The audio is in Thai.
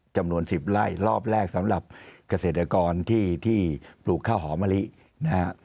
จำนวน๑๐ไร่รอบแรกสำหรับเกษตรกรที่ปลูกข้าวหอมะลินะฮะ